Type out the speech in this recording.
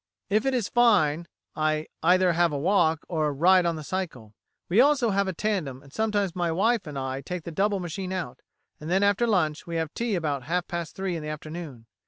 If it is fine, I either have a walk or a ride on the cycle. We also have a tandem, and sometimes my wife and I take the double machine out; and then after lunch we have tea about half past three in the afternoon.